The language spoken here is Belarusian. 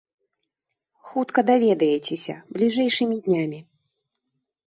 Хутка даведаецеся, бліжэйшымі днямі.